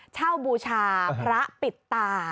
เช่าบูชาพระปิดตา